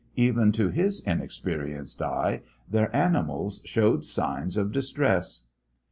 Even to his inexperienced eye their animals showed signs of distress.